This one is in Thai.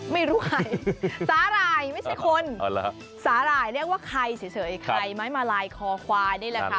ไม่รู้ใครสาหร่ายไม่ใช่คนสาหร่ายเรียกว่าใครเฉยใครไม้มาลายคอควายนี่แหละค่ะ